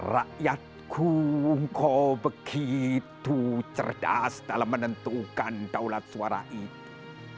rakyatku engkau begitu cerdas dalam menentukan daulat suara itu